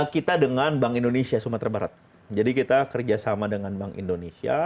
kita dengan bank indonesia sumatera barat jadi kita kerjasama dengan bank indonesia